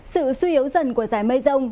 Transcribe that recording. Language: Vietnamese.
sự suy yếu dần của giải mây rông